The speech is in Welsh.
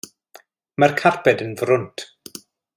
Mae'r carped yn frwnt.